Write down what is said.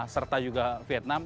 serta juga vietnam